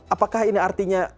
apakah ini artinya